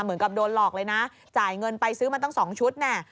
เหมือนกับโดนหลอกเลยนะจ่ายเงินไปซื้อมาตั้ง๒ชุดแน่